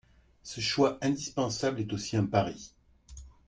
Ce choix indispensable est aussi un pari.